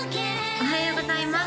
おはようございます